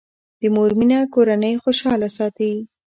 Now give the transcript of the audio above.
د مور مینه کورنۍ خوشاله ساتي.